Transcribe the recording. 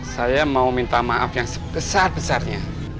saya mau minta maaf yang sebesar besarnya